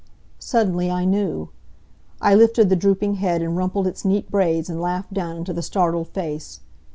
Suddenly I knew. I lifted the drooping head and rumpled its neat braids, and laughed down into the startled face.